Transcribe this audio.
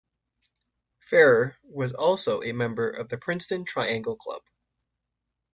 Ferrer was also a member of the Princeton Triangle Club.